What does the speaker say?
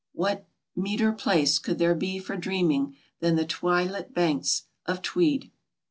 What meeter place could there be for dreaming than the twilit banks of Tweed?